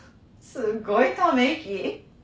すごいため息。